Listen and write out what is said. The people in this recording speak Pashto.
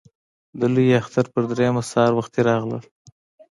د لوی اختر په درېیمه سهار وختي راغلل.